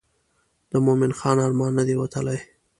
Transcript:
د مومن خان ارمان نه دی وتلی.